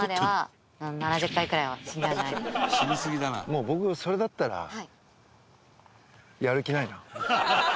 もう僕それだったらやる気ないな。